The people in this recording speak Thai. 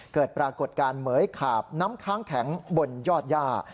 เกิดปรากฏการณ์เหมือยขาบน้ำค้างแข็งบนยอดย่า